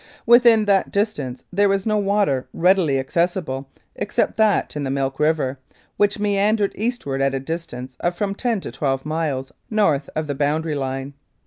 Within that distance there was no water readily accessible except that in the Milk River, which meandered eastward at a distance of from ten to twelve miles north of the boundary line.